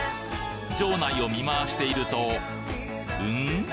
場内を見回しているとうん？